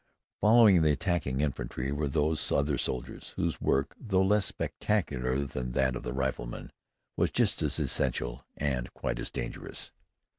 Following the attacking infantry were those other soldiers whose work, though less spectacular than that of the riflemen, was just as essential and quite as dangerous.